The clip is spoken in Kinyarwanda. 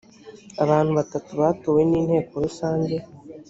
abantu batatu batowe n’inteko rusange